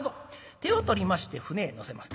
手を取りまして舟へ乗せます。